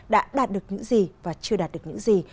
đã đạt được những gì và chưa đạt được những gì